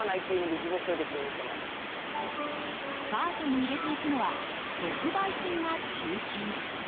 カートに入れていくのは特売品が中心。